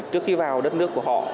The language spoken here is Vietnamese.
trước khi vào đất nước của họ